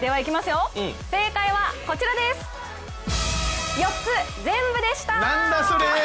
正解は４つ全部でした！